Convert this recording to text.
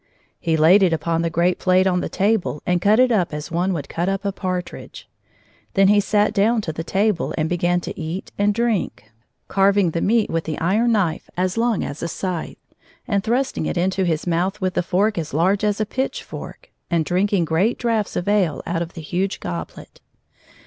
He laid it upon the great plate on the tahle and cut it up as one would cut up a partridge. Then he sat down to the tahle and began to eat and drink, carving the meat with the iron knife as long as a scythe, and thrusting it into his mouth with the fork as large as a pitch fork, and drinking great draughts of ale out of the huge goblet.